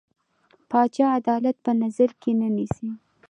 پاچا عدالت په نظر کې نه نيسي.